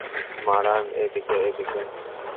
মারান, এদিকে, এদিকে।